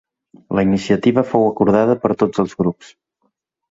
La iniciativa fou acordada per tots els grups.